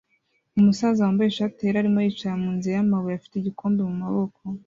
Umusaza wambaye ishati yera arimo yicara munzira yamabuye afite igikombe mumaboko